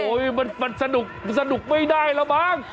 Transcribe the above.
มันสนุกไม่ได้แล้วมั้ง